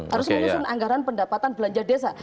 harus menyusun anggaran pendapatan belanja desa